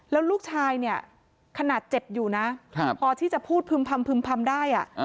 แล้วลูกชายเนี่ยขนาดเจ็บอยู่นะพอที่จะพูดพึ่มพำได้